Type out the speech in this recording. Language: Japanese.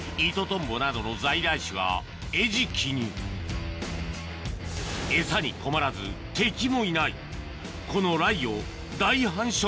トンボなどの在来種が餌食に餌に困らず敵もいない